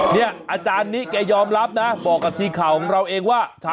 เนี่ยอาจารย์นี้แกยอมรับนะบอกกับทีมข่าวของเราเองว่า